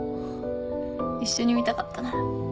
一緒に見たかったな。